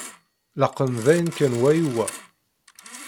Laqen dayen kan wa i wa.